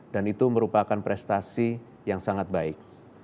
dan itu merupakan prestasi yang sangat baik